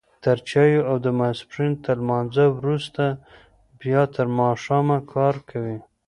تر چايو او د ماسپښين تر لمانځه وروسته بيا تر ماښامه کار کوي.